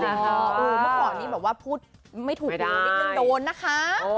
เมื่อก่อนนี้แบบว่าพูดไม่ถูกดูนิดนึงโดนนะคะ